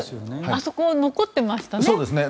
あそこは残ってましたね。